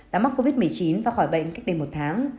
đã mắc covid một mươi chín và khỏi bệnh cách đây một tháng